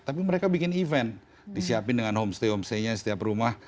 tapi mereka bikin event disiapin dengan homestay homestay nya setiap rumah